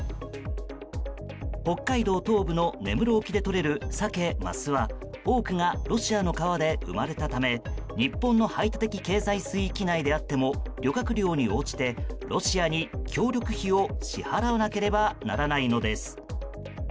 北海道東部の根室沖でとれるサケ・マスは多くがロシアの川で生まれたため日本の排他的経済水域内であっても漁獲量に応じてロシアに協力費を支払わなければならないのです。